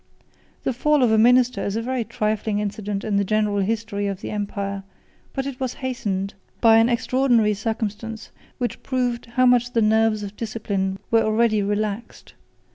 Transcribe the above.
The fall of a minister is a very trifling incident in the general history of the empire; but it was hastened by an extraordinary circumstance, which proved how much the nerves of discipline were already relaxed.